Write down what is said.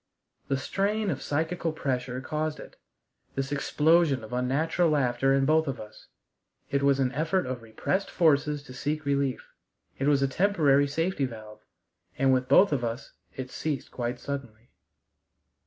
The strain of psychical pressure caused it this explosion of unnatural laughter in both of us; it was an effort of repressed forces to seek relief; it was a temporary safety valve. And with both of us it ceased quite suddenly.